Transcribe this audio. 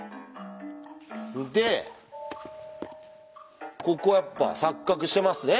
でここやっぱ錯角してますね？